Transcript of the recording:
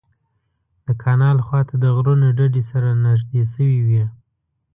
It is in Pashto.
د کانال خوا ته د غرونو ډډې سره نږدې شوې وې.